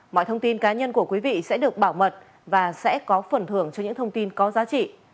mọi thông tin cá nhân của quý vị sẽ được bảo mật và sẽ có phần thưởng cho những thông tin có giá trị